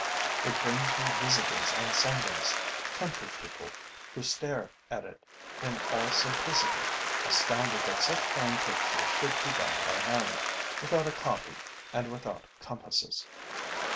It brings me visitors on Sundays, country people, who stare at it in all simplicity, astounded that such fine pictures should be done by hand, without a copy and without compasses.